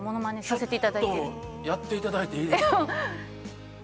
やっていただいていいですか？